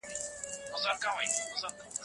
نظام باید د دولت په کنټرول کي وي.